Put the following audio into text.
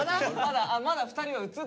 まだ？